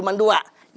dan satu lagi